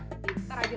tuh minum makan tuh